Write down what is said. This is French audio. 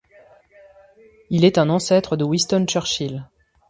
Il est un ancêtre de Winston Churchill.